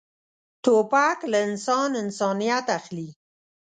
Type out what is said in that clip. توپک له انسان انسانیت اخلي.